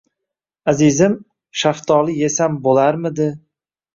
Azizim, shaftoli esam bo`larmidi